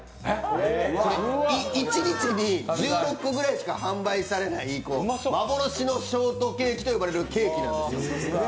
１日に１５個ぐらいしか販売されない幻のショートケーキと呼ばれるケーキなんですよ。